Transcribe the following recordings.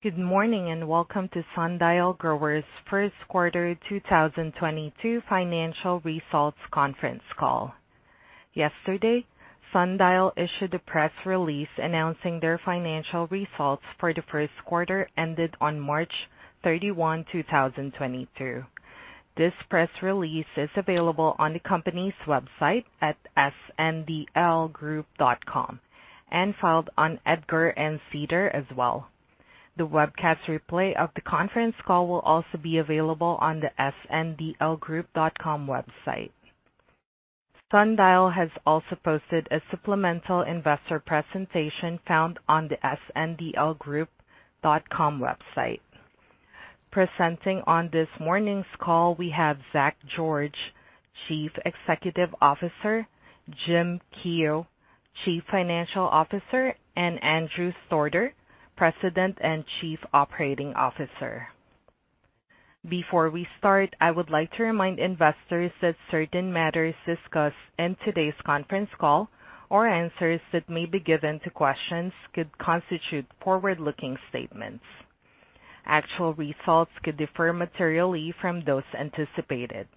Good morning, and welcome to Sundial Growers Q1 2022 Financial Results Conference Call. Yesterday, Sundial issued a press release announcing their financial results for the first quarter ended on March 31, 2022. This press release is available on the company's website at sndlgroup.com and filed on EDGAR and SEDAR as well. The webcast replay of the conference call will also be available on the sndlgroup.com website. Sundial has also posted a supplemental investor presentation found on the sndlgroup.com website. Presenting on this morning's call, we have Zach George, Chief Executive Officer, Jim Keough, Chief Financial Officer, and Andrew Stordeur, President and Chief Operating Officer. Before we start, I would like to remind investors that certain matters discussed in today's conference call or answers that may be given to questions could constitute forward-looking statements. Actual results could differ materially from those anticipated.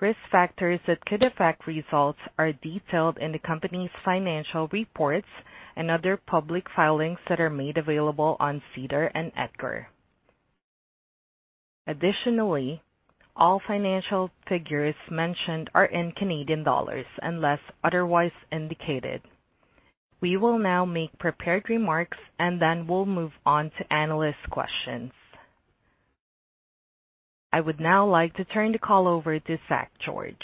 Risk factors that could affect results are detailed in the company's financial reports and other public filings that are made available on SEDAR and EDGAR. Additionally, all financial figures mentioned are in Canadian dollars unless otherwise indicated. We will now make prepared remarks, and then we'll move on to analyst questions. I would now like to turn the call over to Zach George.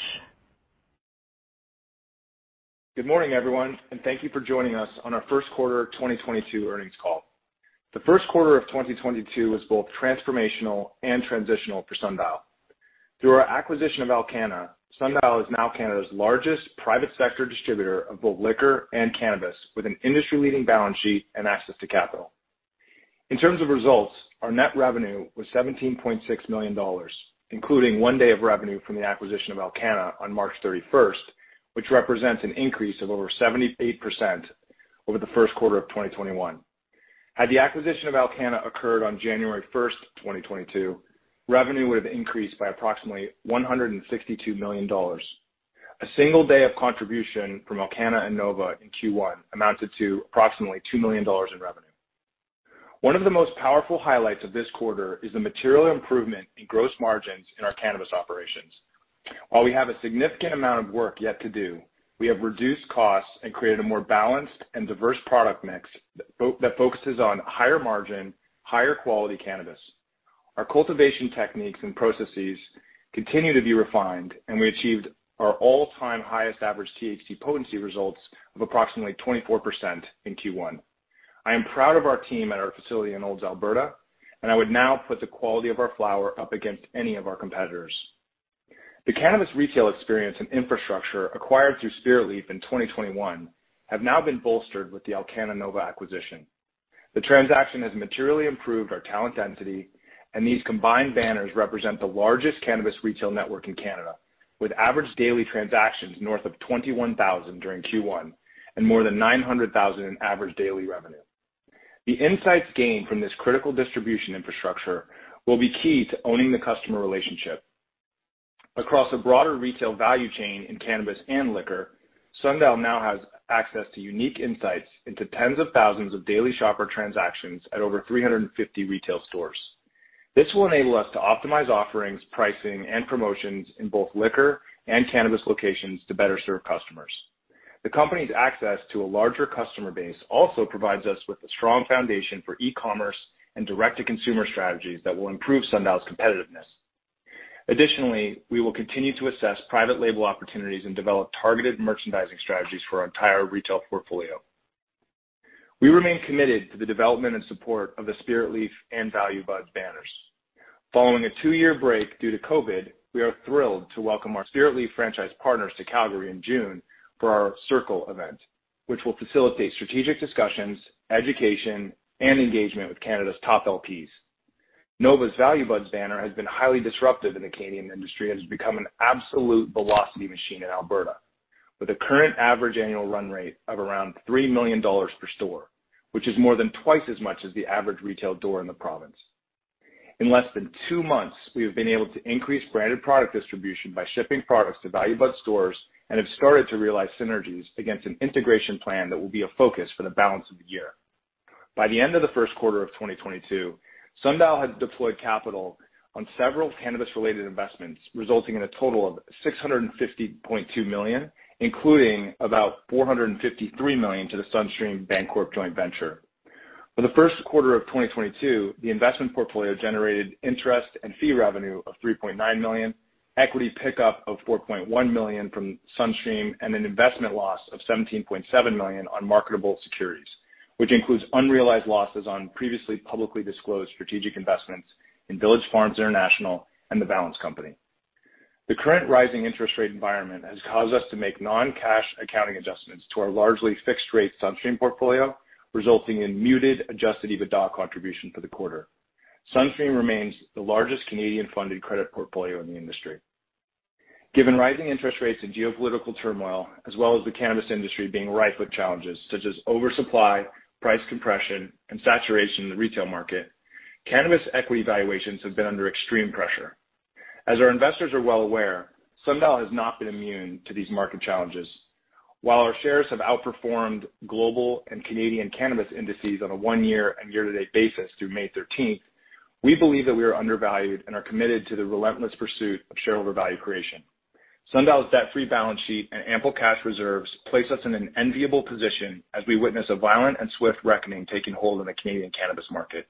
Good morning, everyone, and thank you for joining us on our Q1 2022 Earnings Call. The Q1 of 2022 was both transformational and transitional for Sundial. Through our acquisition of Alcanna, Sundial is now Canada's largest private sector distributor of both liquor and cannabis, with an industry-leading balance sheet and access to capital. In terms of results, our net revenue was 17.6 million dollars, including one day of revenue from the acquisition of Alcanna on March 31, which represents an increase of over 78% over Q1 of 2021. Had the acquisition of Alcanna occurred on January 1, 2022, revenue would have increased by approximately 162 million dollars. A single day of contribution from Alcanna and Nova Cannabis in Q1 amounted to approximately 2 million dollars in revenue. One of the most powerful highlights of this quarter is the material improvement in gross margins in our cannabis operations. While we have a significant amount of work yet to do, we have reduced costs and created a more balanced and diverse product mix that focuses on higher margin, higher quality cannabis. Our cultivation techniques and processes continue to be refined, and we achieved our all-time highest average THC potency results of approximately 24% in Q1. I am proud of our team at our facility in Olds, Alberta, and I would now put the quality of our flower up against any of our competitors. The cannabis retail experience and infrastructure acquired through Spiritleaf in 2021 have now been bolstered with the Alcanna Nova acquisition. The transaction has materially improved our talent density, and these combined banners represent the largest cannabis retail network in Canada, with average daily transactions north of 21,000 during Q1 and more than 900,000 in average daily revenue. The insights gained from this critical distribution infrastructure will be key to owning the customer relationship. Across a broader retail value chain in cannabis and liquor, Sundial now has access to unique insights into tens of thousands of daily shopper transactions at over 350 retail stores. This will enable us to optimize offerings, pricing, and promotions in both liquor and cannabis locations to better serve customers. The company's access to a larger customer base also provides us with a strong foundation for e-commerce and direct-to-consumer strategies that will improve Sundial's competitiveness. Additionally, we will continue to assess private label opportunities and develop targeted merchandising strategies for our entire retail portfolio. We remain committed to the development and support of the Spiritleaf and Value Buds banners. Following a two-year break due to COVID, we are thrilled to welcome our Spiritleaf franchise partners to Calgary in June for our Circle event, which will facilitate strategic discussions, education, and engagement with Canada's top LPs. Nova's Value Buds banner has been highly disruptive in the Canadian industry and has become an absolute velocity machine in Alberta, with a current average annual run rate of around 3 million dollars per store, which is more than twice as much as the average retail door in the province. In less than two months, we have been able to increase branded product distribution by shipping products to Value Buds stores and have started to realize synergies against an integration plan that will be a focus for the balance of the year. By the end of the first quarter of 2022, Sundial had deployed capital on several cannabis-related investments, resulting in a total of 650.2 million, including about 453 million to the SunStream Bancorp joint venture. For Q1 of 2022, the investment portfolio generated interest and fee revenue of 3.9 million, equity pickup of 4.1 million from SunStream, and an investment loss of 17.7 million on marketable securities, which includes unrealized losses on previously publicly disclosed strategic investments in Village Farms International and The Valens Company. The current rising interest rate environment has caused us to make non-cash accounting adjustments to our largely fixed-rate SunStream portfolio, resulting in muted Adjusted EBITDA contribution for the quarter. SunStream remains the largest Canadian-funded credit portfolio in the industry. Given rising interest rates and geopolitical turmoil, as well as the cannabis industry being rife with challenges such as oversupply, price compression, and saturation in the retail market, cannabis equity valuations have been under extreme pressure. As our investors are well aware, Sundial has not been immune to these market challenges. While our shares have outperformed global and Canadian cannabis indices on a one-year and year-to-date basis through May 13, we believe that we are undervalued and are committed to the relentless pursuit of shareholder value creation. Sundial's debt-free balance sheet and ample cash reserves place us in an enviable position as we witness a violent and swift reckoning taking hold in the Canadian cannabis market.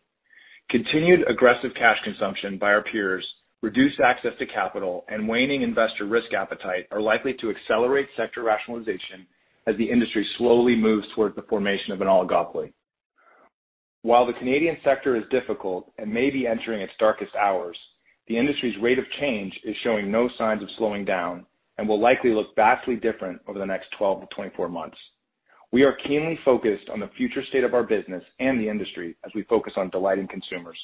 Continued aggressive cash consumption by our peers, reduced access to capital, and waning investor risk appetite are likely to accelerate sector rationalization as the industry slowly moves towards the formation of an oligopoly. While the Canadian sector is difficult and may be entering its darkest hours, the industry's rate of change is showing no signs of slowing down and will likely look vastly different over the next 12-24 months. We are keenly focused on the future state of our business and the industry as we focus on delighting consumers.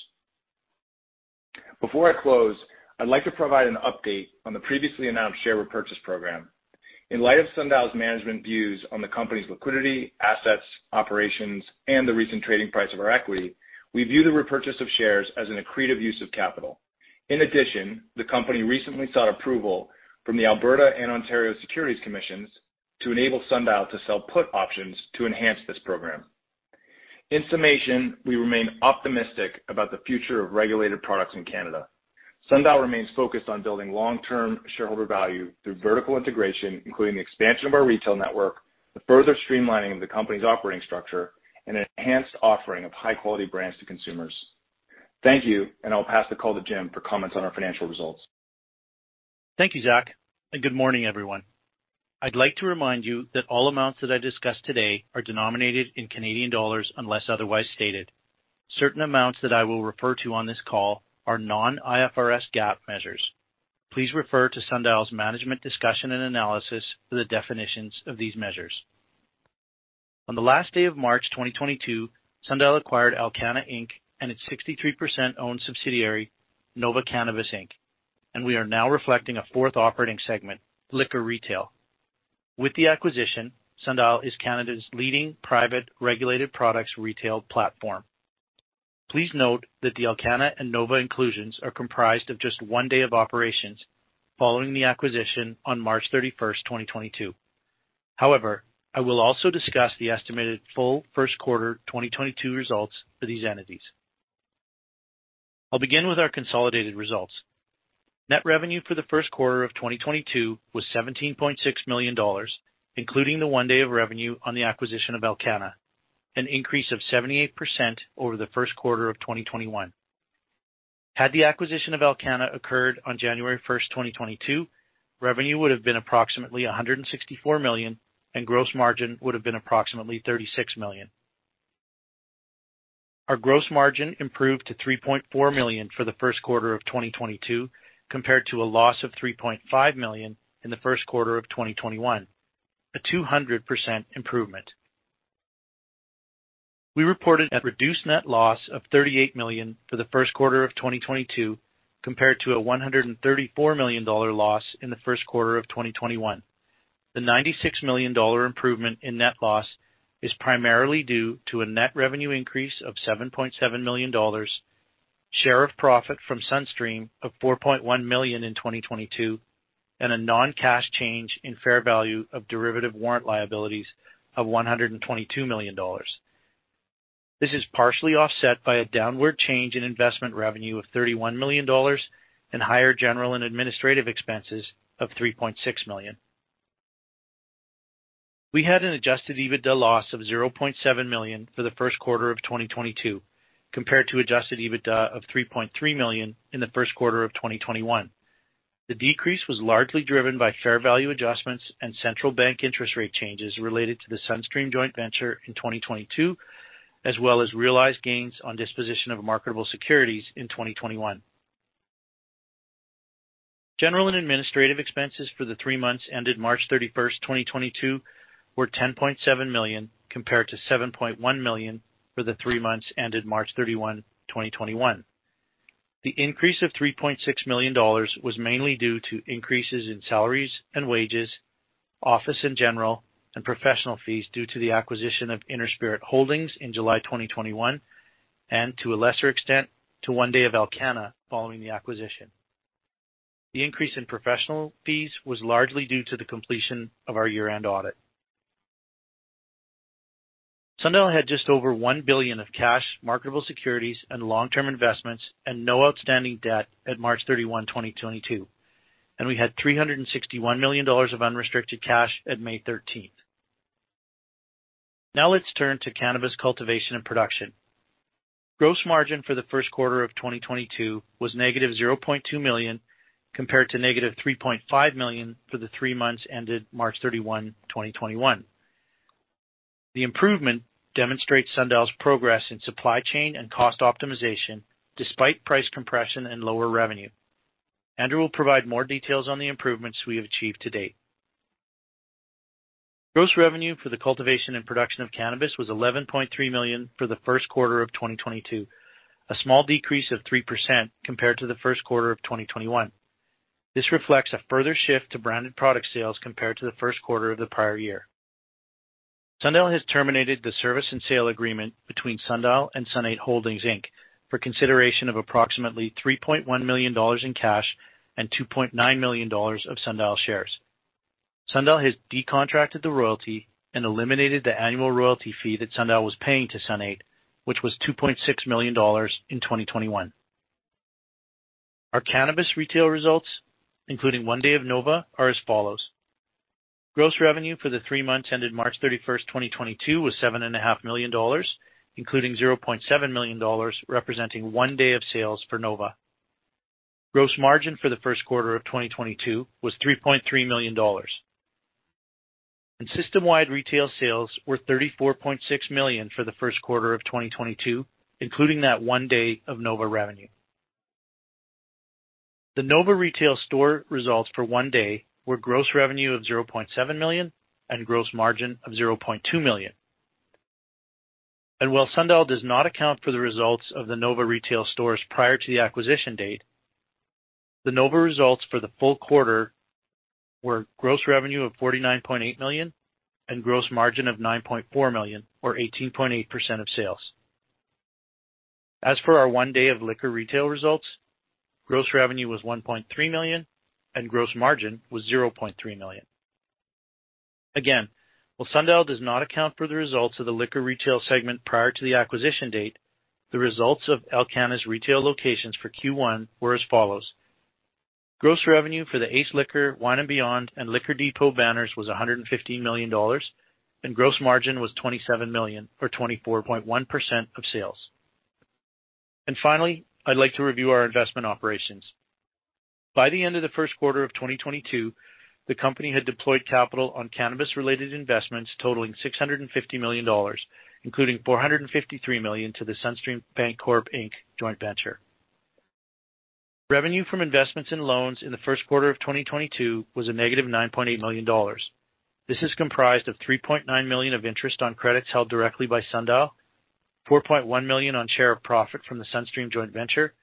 Before I close, I'd like to provide an update on the previously announced share repurchase program. In light of Sundial's management views on the company's liquidity, assets, operations, and the recent trading price of our equity, we view the repurchase of shares as an accretive use of capital. In addition, the company recently sought approval from the Alberta Securities Commission and Ontario Securities Commission to enable Sundial to sell put options to enhance this program. In summation, we remain optimistic about the future of regulated products in Canada. Sundial remains focused on building long-term shareholder value through vertical integration, including the expansion of our retail network, the further streamlining of the company's operating structure, and an enhanced offering of high-quality brands to consumers. Thank you, and I'll pass the call to Jim for comments on our financial results. Thank you, Zach, and good morning, everyone. I'd like to remind you that all amounts that I discuss today are denominated in Canadian dollars unless otherwise stated. Certain amounts that I will refer to on this call are non-IFRS GAAP measures. Please refer to Sundial's management discussion and analysis for the definitions of these measures. On the last day of March 2022, Sundial acquired Alcanna Inc. and its 63% owned subsidiary, Nova Cannabis Inc. We are now reflecting a fourth operating segment, Liquor Retail. With the acquisition, Sundial is Canada's leading private regulated products retail platform. Please note that the Alcanna and Nova inclusions are comprised of just one day of operations following the acquisition on March 31, 2022. However, I will also discuss the estimated full Q1 2022 results for these entities. I'll begin with our consolidated results. Net revenue for Q1 of 2022 was 17.6 million dollars, including the one day of revenue on the acquisition of Alcanna Inc., an increase of 78% over Q1 of 2021. Had the acquisition of Alcanna Inc. occurred on January 1, 2022, revenue would have been approximately 164 million, and gross margin would have been approximately 36 million. Our gross margin improved to 3.4 for Q1 of 2022 compared to a loss of 3.5 million in Q1 of 2021, a 200% improvement. We reported a reduced net loss of 38 for Q1 of 2022 compared to a 134 million loss in Q1 of 2021. The 96 million dollar improvement in net loss is primarily due to a net revenue increase of 7.7 million dollars, share of profit from SunStream of 4.1 million in 2022, and a non-cash change in fair value of derivative warrant liabilities of 122 million dollars. This is partially offset by a downward change in investment revenue of 31 million dollars and higher general and administrative expenses of 3.6 million. We had an Adjusted EBITDA loss of 0.7 for Q1 of 2022 compared to Adjusted EBITDA of 3.3 million in Q1 of 2021. The decrease was largely driven by fair value adjustments and central bank interest rate changes related to the SunStream joint venture in 2022, as well as realized gains on disposition of marketable securities in 2021. General and administrative expenses for the three months ended March 31, 2022 were 10.7 compared to 7.1 million for the three months ended March 31, 2021. The increase of 3.6 million dollars was mainly due to increases in salaries and wages, office and general, and professional fees due to the acquisition of Inner Spirit Holdings in July 2021, and to a lesser extent, to one day of Alcanna following the acquisition. The increase in professional fees was largely due to the completion of our year-end audit. Sundial had just over 1 billion of cash, marketable securities, and long-term investments and no outstanding debt at March 31, 2022, and we had 361 million dollars of unrestricted cash at May 13. Now let's turn to cannabis cultivation and production. Gross margin for Q1 of 2022 was negative 0.2 compared to negative 3.5 million for the three months ended March 31, 2021. The improvement demonstrates Sundial's progress in supply chain and cost optimization despite price compression and lower revenue. Andrew will provide more details on the improvements we have achieved to date. Gross revenue for the cultivation and production of cannabis was 11.3 million for Q1 of 2022, a small decrease of 3% compared to Q1 of 2021. This reflects a further shift to branded product sales compared to Q1 of the prior year. Sundial has terminated the service and sale agreement between Sundial and Sun 8 Holdings, Inc. for consideration of approximately 3.1 million dollars in cash and 2.9 million of Sundial shares. Sundial has decontracted the royalty and eliminated the annual royalty fee that Sundial was paying to Sun Eight, which was 2.6 million dollars in 2021. Our cannabis retail results, including one day of Nova, are as follows. Gross revenue for the three months ended March 31, 2022, was 7.5 million dollars, including 0.7 million dollars, representing one day of sales for Nova. Gross margin for Q1 of 2022 was 3.3 million dollars. System-wide retail sales were 34.6 million for Q1 of 2022, including that one day of Nova revenue. The Nova retail store results for one day were gross revenue of 0.7 million and gross margin of 0.2 million. While Sundial does not account for the results of the Nova retail stores prior to the acquisition date, the Nova results for the full quarter were gross revenue of 49.8 million and gross margin of 9.4 million, or 18.8% of sales. As for our one day of liquor retail results, gross revenue was 1.3 million and gross margin was 0.3 million. Again, while Sundial does not account for the results of the liquor retail segment prior to the acquisition date, the results of Alcanna's retail locations for Q1 were as follows. Gross revenue for the Ace Liquor, Wine and Beyond, and Liquor Depot banners was 115 million dollars, and gross margin was 27 million, or 24.1% of sales. Finally, I'd like to review our investment operations. By the end of Q1 of 2022, the company had deployed capital on cannabis-related investments totaling 650 million dollars, including 453 million to the SunStream Bancorp Inc. Joint Venture. Revenue from investments in loans in Q1 of 2022 was -9.8 million dollars. This is comprised of 3.9 million of interest on credits held directly by Sundial, 4.1 million on share of profit from the SunStream Joint Venture,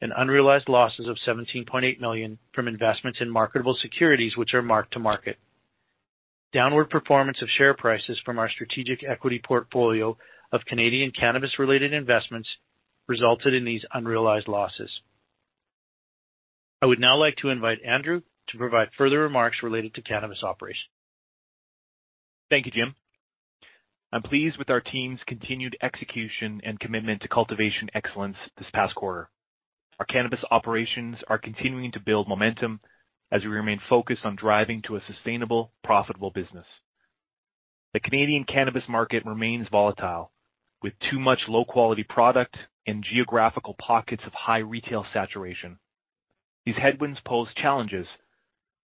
and unrealized losses of 17.8 million from investments in marketable securities which are marked to market. Downward performance of share prices from our strategic equity portfolio of Canadian cannabis-related investments resulted in these unrealized losses. I would now like to invite Andrew to provide further remarks related to cannabis operations. Thank you, Jim. I'm pleased with our team's continued execution and commitment to cultivation excellence this past quarter. Our cannabis operations are continuing to build momentum as we remain focused on driving to a sustainable, profitable business. The Canadian cannabis market remains volatile, with too much low-quality product and geographical pockets of high retail saturation. These headwinds pose challenges,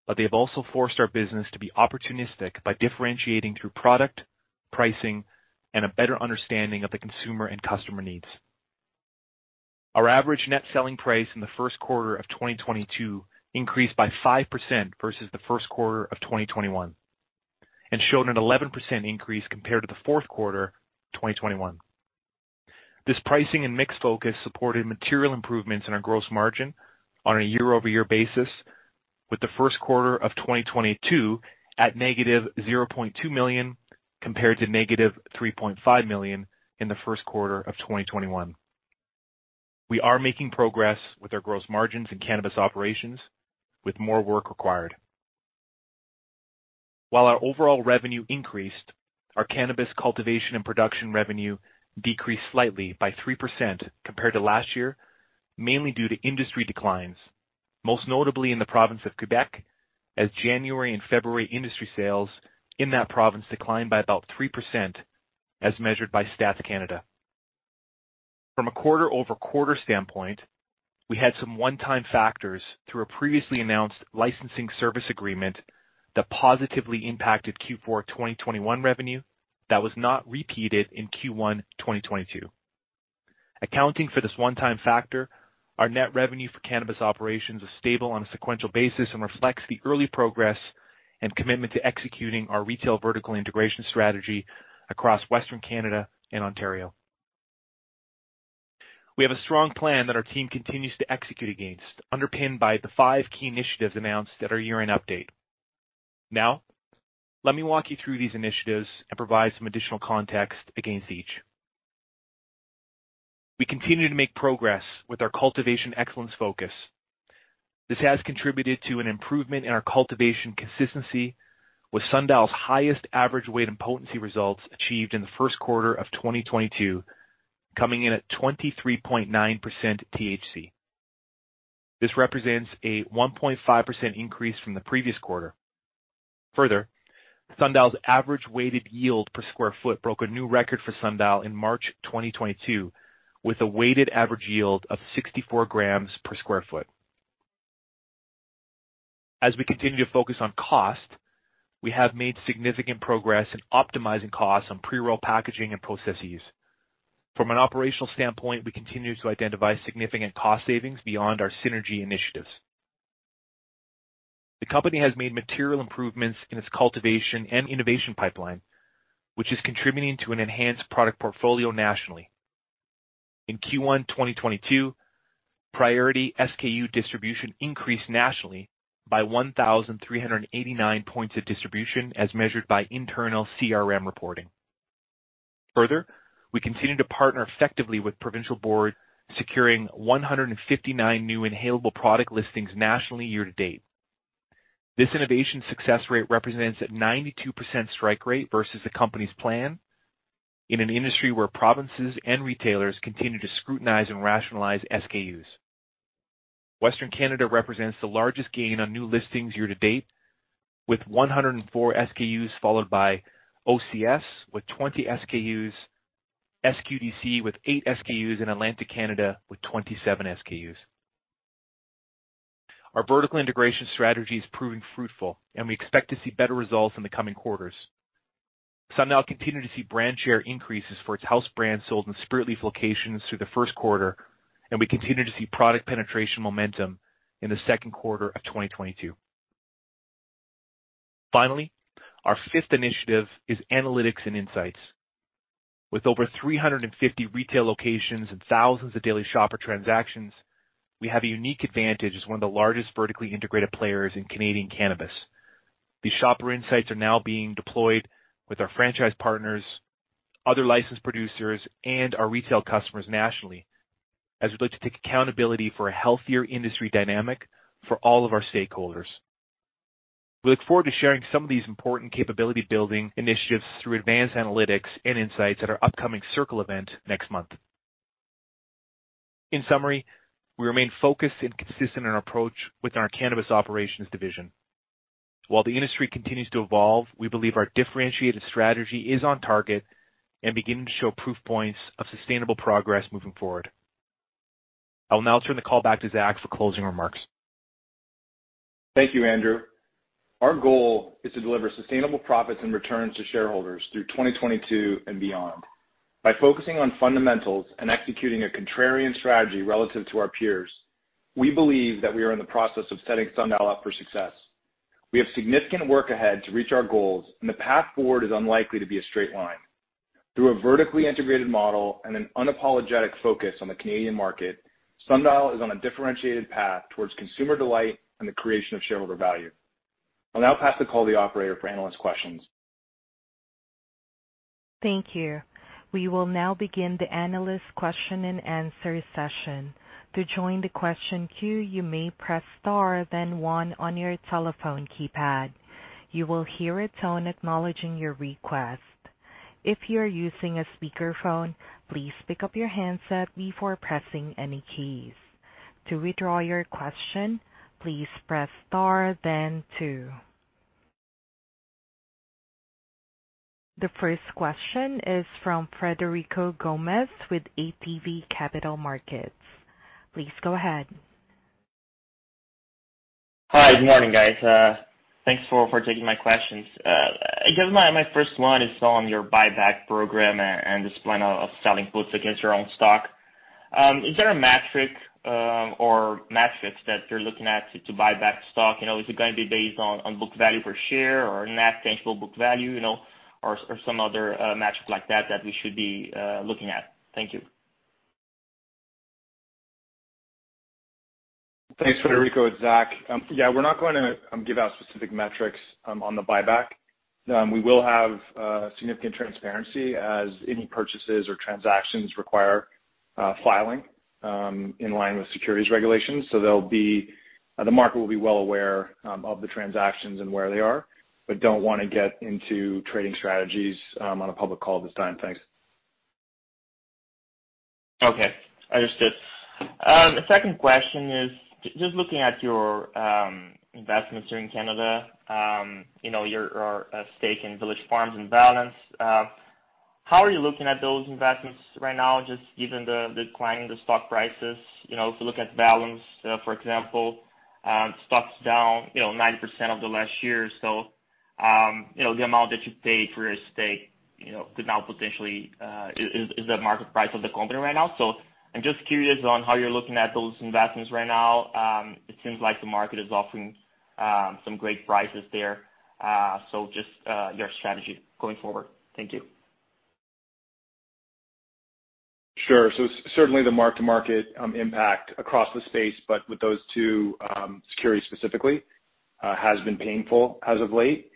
but they have also forced our business to be opportunistic by differentiating through product, pricing, and a better understanding of the consumer and customer needs. Our average net selling price in Q1 of 2022 increased by 5% versus Q1 of 2021 and showed an 11% increase compared to Q4 of 2021. This pricing and mix focus supported material improvements in our gross margin on a year-over-year basis, with Q1 of 2022 at -0.2, compared to -3.5 million in Q1 of 2021. We are making progress with our gross margins in cannabis operations with more work required. While our overall revenue increased, our cannabis cultivation and production revenue decreased slightly by 3% compared to last year, mainly due to industry declines, most notably in the province of Quebec, as January and February industry sales in that province declined by about 3% as measured by Statistics Canada. From a quarter-over-quarter standpoint, we had some one-time factors through a previously announced licensing service agreement that positively impacted Q4 2021 revenue that was not repeated in Q1 2022. Accounting for this one-time factor, our net revenue for cannabis operations was stable on a sequential basis and reflects the early progress and commitment to executing our retail vertical integration strategy across Western Canada and Ontario. We have a strong plan that our team continues to execute against, underpinned by the five key initiatives announced at our year-end update. Now, let me walk you through these initiatives and provide some additional context against each. We continue to make progress with our cultivation excellence focus. This has contributed to an improvement in our cultivation consistency with Sundial's highest average weight and potency results achieved in Q1 of 2022, coming in at 23.9% THC. This represents a 1.5% increase from the previous quarter. Further, Sundial's average weighted yield per sq ft broke a new record for Sundial in March 2022, with a weighted average yield of 64g per sq ft. As we continue to focus on cost, we have made significant progress in optimizing costs on pre-roll packaging and processes. From an operational standpoint, we continue to identify significant cost savings beyond our synergy initiatives. The company has made material improvements in its cultivation and innovation pipeline, which is contributing to an enhanced product portfolio nationally. In Q1 2022, priority SKU distribution increased nationally by 1,389 points of distribution as measured by internal CRM reporting. Further, we continue to partner effectively with Provincial Boards, securing 159 new inhalable product listings nationally year to date. This innovation success rate represents a 92% strike rate versus the company's plan in an industry where provinces and retailers continue to scrutinize and rationalize SKUs. Western Canada represents the largest gain on new listings year to date, with 104 SKUs, followed by OCS with 20 SKUs, SQDC with eight SKUs, and Atlantic Canada with 27 SKUs. Our vertical integration strategy is proving fruitful, and we expect to see better results in the coming quarters. Sundial continued to see brand share increases for its house brands sold in Spiritleaf locations through Q1 and we continue to see product penetration momentum in the Q2 of 2022. Finally, our fifth initiative is analytics and insights. With over 350 retail locations and thousands of daily shopper transactions, we have a unique advantage as one of the largest vertically integrated players in Canadian cannabis. These shopper insights are now being deployed with our franchise partners, other licensed producers, and our retail customers nationally as we look to take accountability for a healthier industry dynamic for all of our stakeholders. We look forward to sharing some of these important capability building initiatives through advanced analytics and insights at our upcoming Circle event next month. In summary, we remain focused and consistent in our approach with our cannabis operations division. While the industry continues to evolve, we believe our differentiated strategy is on target and beginning to show proof points of sustainable progress moving forward. I will now turn the call back to Zach for closing remarks. Thank you, Andrew. Our goal is to deliver sustainable profits and returns to shareholders through 2022 and beyond. By focusing on fundamentals and executing a contrarian strategy relative to our peers, we believe that we are in the process of setting Sundial up for success. We have significant work ahead to reach our goals, and the path forward is unlikely to be a straight line. Through a vertically integrated model and an unapologetic focus on the Canadian market, Sundial is on a differentiated path towards consumer delight and the creation of shareholder value. I'll now pass the call to the operator for analyst questions. Thank you. We will now begin the analyst question and answer session. To join the question queue, you may press star then one on your telephone keypad. You will hear a tone acknowledging your request. If you are using a speakerphone, please pick up your handset before pressing any keys. To withdraw your question, please press star then two. The first question is from Frederico Gomes with ATB Capital Markets. Please go ahead. Hi, good morning, guys. Thanks for taking my questions. I guess my first one is on your buyback program and the plan of selling puts against your own stock. Is there a metric or metrics that you're looking at to buy back stock? You know, is it gonna be based on book value per share or net tangible book value, you know, or some other metric like that that we should be looking at? Thank you. Thanks, Frederico. It's Zach. Yeah, we're not going to give out specific metrics on the buyback. We will have significant transparency as any purchases or transactions require filing in line with securities regulations. There'll be- the market will be well aware of the transactions and where they are, but don't wanna get into trading strategies on a public call at this time. Thanks. Okay, understood. The second question is just looking at your investments here in Canada, you know, your or a stake in Village Farms and Valens, how are you looking at those investments right now, just given the decline in the stock prices? You know, if you look at Valens, for example, stock's down, you know, 90% over the last year. The amount that you paid for your stake, you know, could now potentially is the market price of the company right now. I'm just curious on how you're looking at those investments right now. It seems like the market is offering some great prices there. Just your strategy going forward. Thank you. Sure. Certainly the mark-to-market impact across the space, but with those two securities specifically has been painful as of late.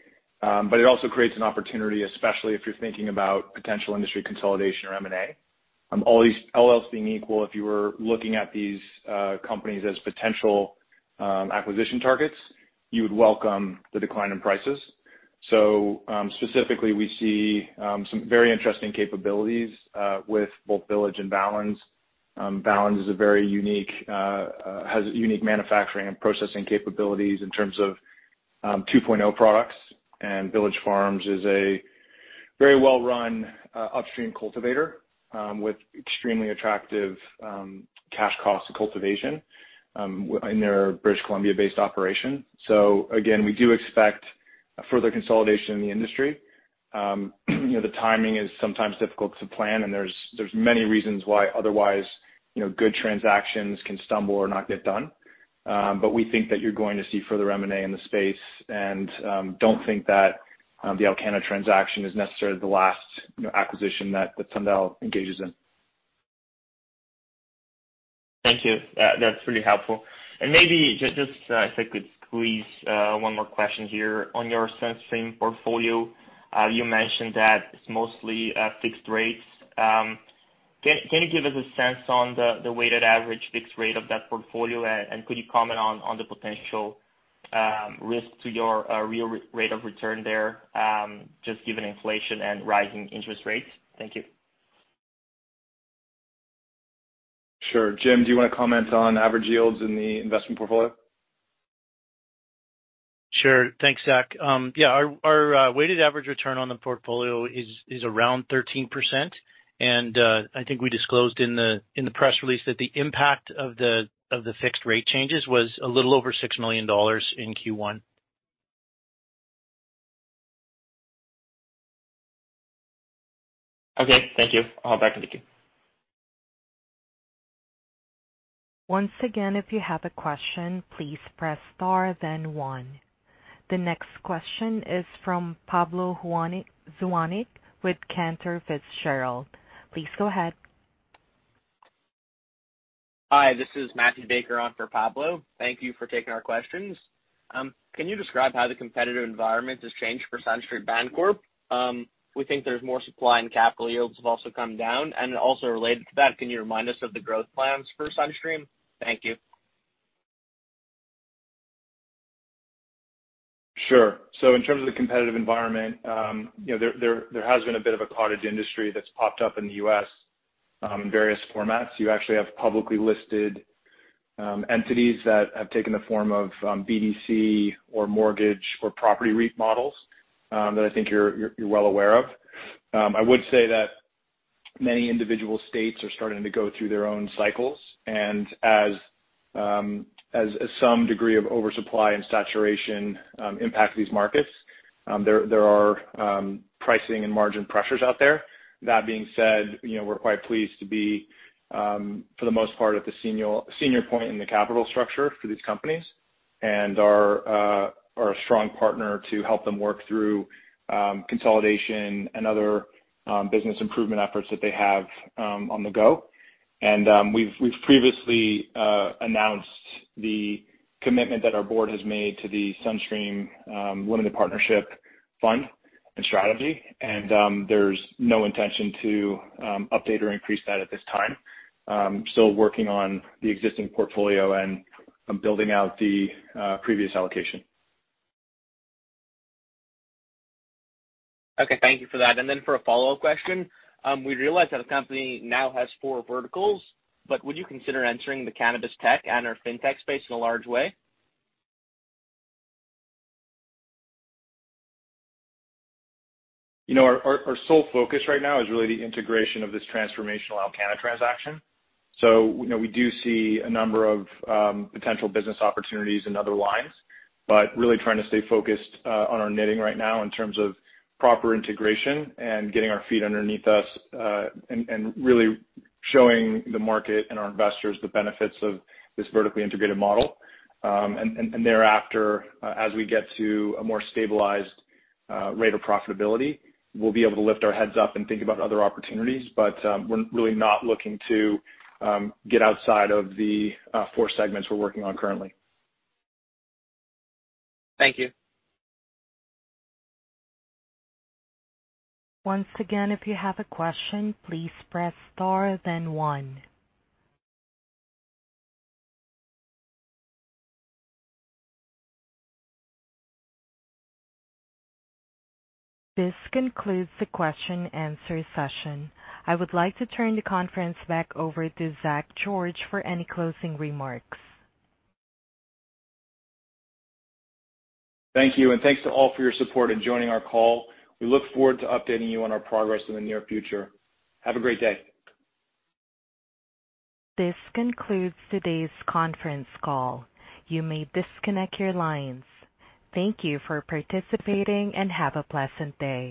It also creates an opportunity, especially if you're thinking about potential industry consolidation or M&A. All else being equal, if you were looking at these companies as potential acquisition targets, you would welcome the decline in prices. Specifically, we see some very interesting capabilities with both Village and Valens. Valens is a very unique has unique manufacturing and processing capabilities in terms of 2.0 products. Village Farms is a very well-run upstream cultivator with extremely attractive cash cost of cultivation in their British Columbia-based operation. Again, we do expect a further consolidation in the industry. You know, the timing is sometimes difficult to plan, and there's many reasons why, otherwise, you know, good transactions can stumble or not get done. We think that you're going to see further M&A in the space and don't think that the Alcanna transaction is necessarily the last, you know, acquisition that Sundial engages in. Thank you. That's really helpful. Maybe just if I could squeeze one more question here on your SunStream portfolio. You mentioned that it's mostly fixed rates. Can you give us a sense on the weighted average fixed rate of that portfolio? And could you comment on the potential risk to your real rate of return there, just given inflation and rising interest rates? Thank you. Sure. Jim, do you wanna comment on average yields in the investment portfolio? Sure. Thanks, Zach. Yeah, our weighted average return on the portfolio is around 13%. I think we disclosed in the press release that the impact of the fixed rate changes was a little over 6 million dollars in Q1. Okay. Thank you. I'll get back in the queue. Once again, if you have a question, please press star then one. The next question is from Pablo Zuanic with Cantor Fitzgerald. Please go ahead. Hi, this is Matthew Baker on for Pablo. Thank you for taking our questions. Can you describe how the competitive environment has changed for SunStream Bancorp? We think there's more supply and capital yields have also come down. Also related to that, can you remind us of the growth plans for SunStream? Thank you. Sure. In terms of the competitive environment, you know, there has been a bit of a cottage industry that's popped up in the U.S., in various formats. You actually have publicly listed entities that have taken the form of BDC or mortgage or property REIT models, that I think you're well aware of. I would say that many individual states are starting to go through their own cycles. As some degree of oversupply and saturation impact these markets, there are pricing and margin pressures out there. That being said, you know, we're quite pleased to be for the most part at the senior point in the capital structure for these companies and are a strong partner to help them work through consolidation and other business improvement efforts that they have on the go. We've previously announced the commitment that our board has made to the SunStream Limited Partnership Fund and strategy. There's no intention to update or increase that at this time. Still working on the existing portfolio and building out the previous allocation. Okay. Thank you for that. For a follow-up question, we realized that a company now has four verticals, but would you consider entering the cannabis tech and/or fintech space in a large way? You know, our sole focus right now is really the integration of this transformational Alcanna transaction. You know, we do see a number of potential business opportunities in other lines, but really trying to stay focused on our knitting right now in terms of proper integration and getting our feet underneath us, and really showing the market and our investors the benefits of this vertically integrated model. Thereafter, as we get to a more stabilized rate of profitability, we'll be able to lift our heads up and think about other opportunities. We're really not looking to get outside of the four segments we're working on currently. Thank you. Once again, if you have a question, please press star then one. This concludes the question and answer session. I would like to turn the conference back over to Zach George for any closing remarks. Thank you, and thanks to all for your support in joining our call. We look forward to updating you on our progress in the near future. Have a great day. This concludes today's conference call. You may disconnect your lines. Thank you for participating, and have a pleasant day.